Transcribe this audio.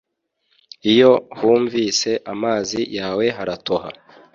iyo humvise amazi yawe haratoha